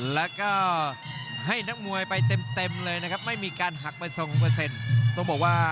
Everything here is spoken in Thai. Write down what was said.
แล้วก็ให้นักมวยไปเต็มเลยนะครับ